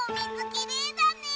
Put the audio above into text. きれいだね。